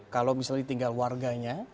kalau misalnya tinggal warganya